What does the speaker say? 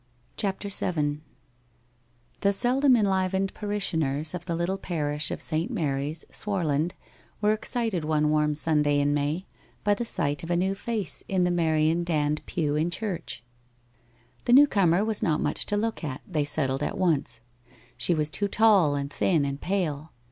CHAPTER YTT The seldom enlivened parishioners of the little parish of St. Mary's, Swarland, were excited one warm Sunday in May, by the sight of a new face in the Merion Dand pew in church. The newcomer was not much to look at, they settled at once; she was too tall, and thin, and pale.